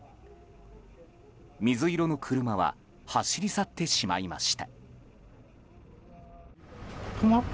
水色の車は走り去ってしまいました。